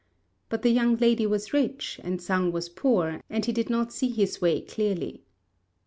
But the young lady was rich and Sang was poor, and he did not see his way clearly.